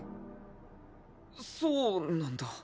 そうなんだ。